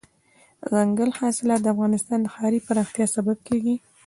دځنګل حاصلات د افغانستان د ښاري پراختیا سبب کېږي.